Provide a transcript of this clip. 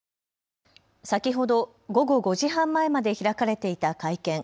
先ほど午後５時半前まで開かれていた会見。